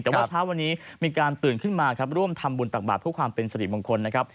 แต่ว่าเช้าวันนี้มีการตื่นขึ้นมาครับร่วมทำบุญตักบาทเพื่อความเป็นสริมงคลนะครับ